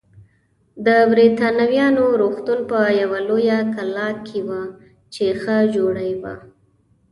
د بریتانویانو روغتون په یوه لویه کلا کې و چې ښه جوړه شوې وه.